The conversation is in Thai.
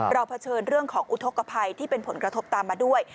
เผชิญเรื่องของอุทธกภัยที่เป็นผลกระทบตามมาด้วย